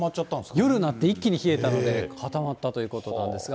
夜になって一気に冷えたので固まったということなんですが。